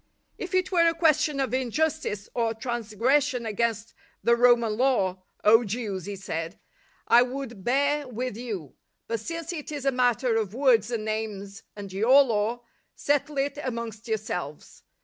" If it were a question of injustice or trans gression against the (Roman) law, 0 Jews," he said, " I would bear with you; but since it is a matter of words and names and your Law, settle it amongst yourselves.